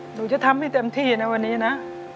หนูจะทำให้เต็มที่นะวันนี้นะ